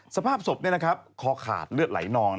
สภาพศพคอขาดเลือดไหลนอง